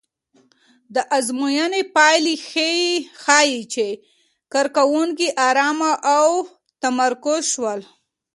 د ازموینې پایلې ښيي چې کارکوونکي ارامه او متمرکز شول.